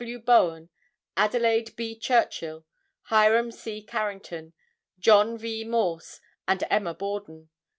W. Bowen, Adelaide B. Churchill, Hiram C. Harrington, John V. Morse and Emma Borden.